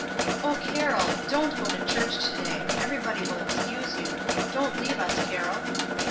"O Carroll, don't go to church to day. Everybody will excuse you. Don't leave us, Carroll."